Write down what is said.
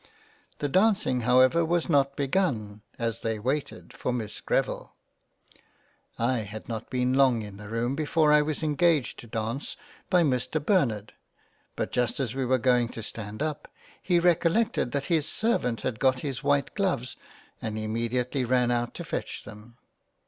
The Dancing however was not begun as they waited for Miss Greville. I had not been long in the room before I was engaged to dance by Mr Ber nard, but just as we were going to stand up, he recollected that his Servant had got his white Gloves, and immediately ran out to fetch them.